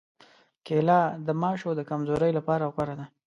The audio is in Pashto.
کېله د ماشو د کمزورۍ لپاره غوره ده.